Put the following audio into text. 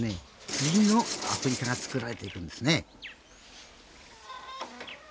次のアフリカが作られているんですね。